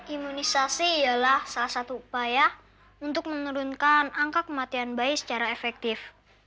imunisasi ialah salah satu upaya untuk menurunkan angka kematian bayi secara efektif